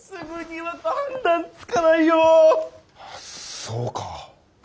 そうか。